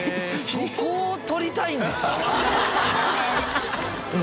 そこを撮りたいんですか？